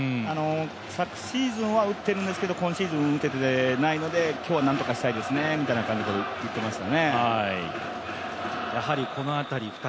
昨シーズンは打ってるんですけど、今シーズン打ててないので今日はなんとかしたいですねみたいなことを言っていました。